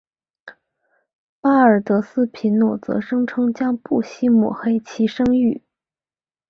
巴尔德斯皮诺则声称将不惜抹黑其声誉。